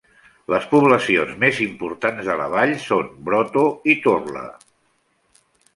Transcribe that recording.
Les poblacions més importants de la vall són Broto i Torla.